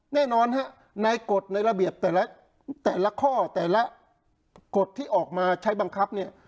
แน่นอนฮะในกฎในระเบียบแต่ละข้อแต่ละกฎที่ออกมาใช้บังคับเนี่ย